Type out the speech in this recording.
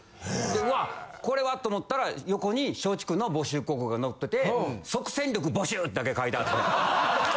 でうわっこれはと思ったら横に松竹の募集広告が載ってて。だけ書いてあって。